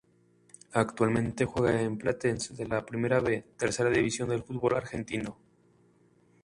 Actualmente juega en Platense de la Primera B, tercera división del fútbol argentino.